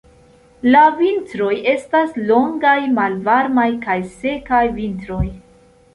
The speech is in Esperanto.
La vintroj estas longaj, malvarmaj kaj sekaj vintroj.